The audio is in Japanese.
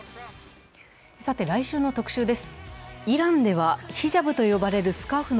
来週の特集です。